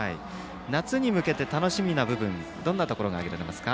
夏に向けて楽しみな部分どんなところがありますか？